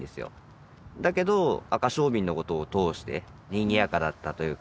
だけどアカショウビンのことを通してにぎやかだったというか。